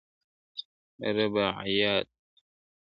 رباعیات !.